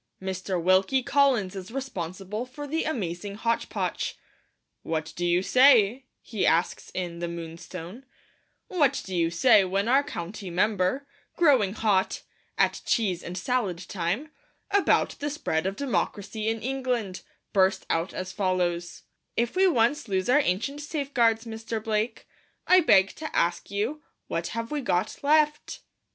Mr. Wilkie Collins is responsible for the amazing hotch potch. 'What do you say,' he asks in The Moonstone, 'what do you say when our county member, growing hot, at cheese and salad time, about the spread of democracy in England, burst out as follows: "If we once lose our ancient safeguards, Mr. Blake, I beg to ask you, what have we got left?"